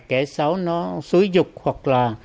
kẻ xấu nó xúi dục hoặc là